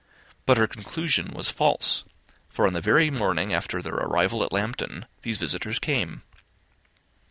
But her conclusion was false; for on the very morning after their own arrival at Lambton these visitors came.